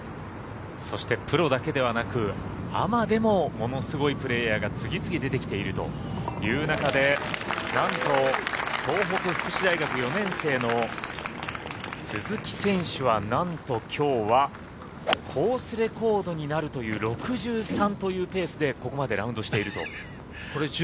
そしてプロだけではなくアマでもものすごいプレーヤーが次々出てきているという中でなんと東北福祉大学４年生の鈴木選手は、なんときょうはコースレコードになるという６３というペースでここまでラウンドしていると。